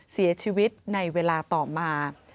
เสียชีวิตในเวลาต่อมา